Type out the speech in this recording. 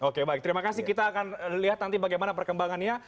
oke baik terima kasih kita akan lihat nanti bagaimana perkembangannya